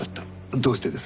どうしてです？